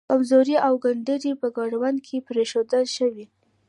خمزوري او گنډري په کرونده کې پرېښودل ښه وي.